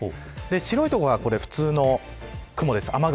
白い所が普通の雲です。